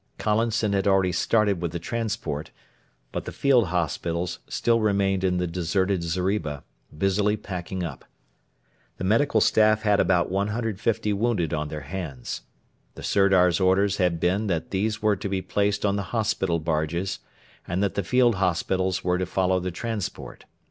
Collinson had already started with the transport, but the field hospitals still remained in the deserted zeriba, busily packing up. The medical staff had about 150 wounded on their hands. The Sirdar's orders had been that these were to be placed on the hospital barges, and that the field hospitals were to follow the transport.